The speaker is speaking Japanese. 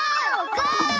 ゴー！